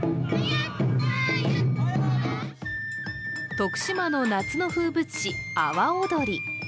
徳島の夏の風物詩、阿波おどり。